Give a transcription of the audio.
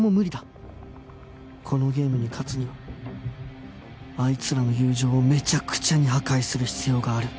このゲームに勝つにはあいつらの友情をめちゃくちゃに破壊する必要がある